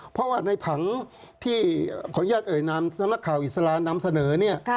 เพราะว่าในผังที่ขออนุญาตเอ่ยนามสำนักข่าวอิสลานำเสนอเนี่ย